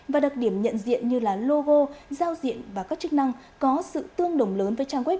và đặc điểm nhận diện như là logo giao diện và các chức năng có sự tương đồng lớn với trang web